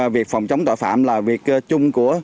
việc phòng chống tội phạm là việc chung của